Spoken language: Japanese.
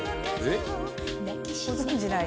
ご存じない？